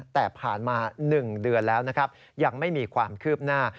แต่ผ่านมาหนึ่งเดือนแล้วยังไม่มีความคืบหน้า